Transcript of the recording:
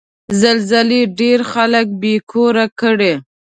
زلزلې ډېر خلک بې کوره کړي.